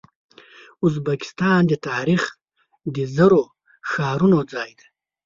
ازبکستان د تاریخ د زرو ښارونو ځای دی.